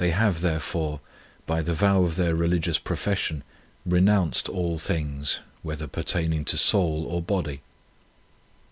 16 The Highest Perfection have, therefore, by the vow of their religious profession, renounced all things, whether pertaining to soul or body.